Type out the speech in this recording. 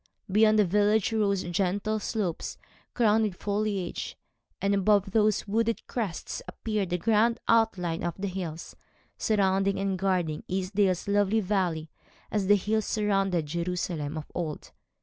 Beyond the village rose gentle slopes, crowned with foliage, and above those wooded crests appeared the grand outline of the hills, surrounding and guarding Easedale's lovely valley, as the hills surrounded Jerusalem of old.